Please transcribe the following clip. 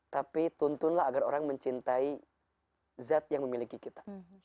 tapi tuntunlah agar orang mencintai zat yang memiliki kita